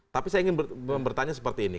tapi saya ingin bertanya seperti ini